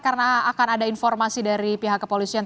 karena akan ada informasi dari pihak kepolisian